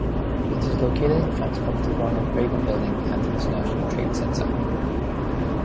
It is located in front of the Ronald Reagan Building and International Trade Center.